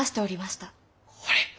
これ！